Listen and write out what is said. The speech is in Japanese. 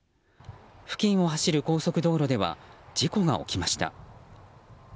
付近を走る高速道路では事故が起きました。